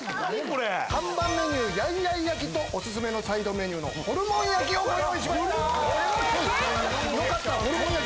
看板メニューやいやい焼きとオススメのサイドメニューのホルモン焼きをご用意しました。